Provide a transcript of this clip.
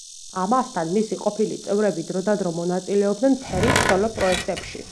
ამასთან, მისი ყოფილი წევრები დროდადრო მონაწილეობდნენ ფერის სოლო პროექტებში.